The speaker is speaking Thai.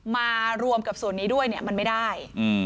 มารวมกับส่วนนี้ด้วยเนี่ยมันไม่ได้